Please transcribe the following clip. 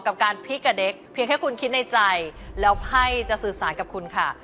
กับการพลิกกับเด็กเพียงแค่คุณคิดในใจแล้วไพ่จะสื่อสารกับคุณค่ะ